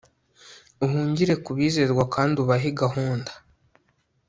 uhungire kubizerwa kandi ubahe gahunda